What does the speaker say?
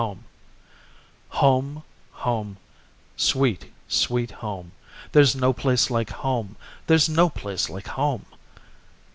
Home, Home, sweet, sweet Home! There's no place like Home! there's no place like Home!